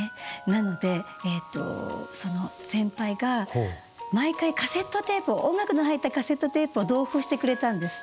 なのでその先輩が毎回音楽の入ったカセットテープを同封してくれたんです。